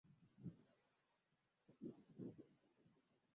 msailiwa anatoa majibu kamili yenye ufafanuzi zaidi